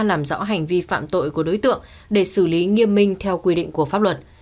làm rõ hành vi phạm tội của đối tượng để xử lý nghiêm minh theo quy định của pháp luật